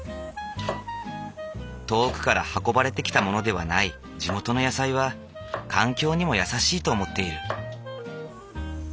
遠くから運ばれてきたものではない地元の野菜は環境にも優しいと思っている。